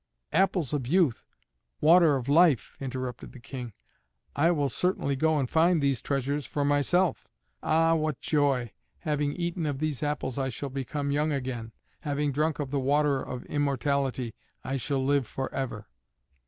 "Apples of Youth! Water of Life!" interrupted the King. "I will certainly go and find these treasures for myself. Ah, what joy! having eaten of these apples I shall become young again; having drunk of the Water of Immortality, I shall live forever."